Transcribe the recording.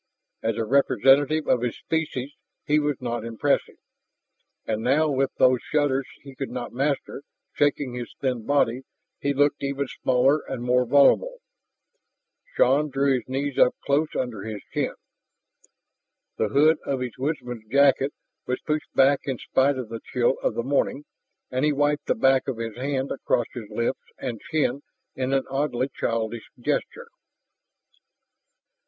As a representative of his species he was not impressive, and now with those shudders he could not master, shaking his thin body, he looked even smaller and more vulnerable. Shann drew his knees up close under his chin. The hood of his woodsman's jacket was pushed back in spite of the chill of the morning, and he wiped the back of his hand across his lips and chin in an oddly childish gesture.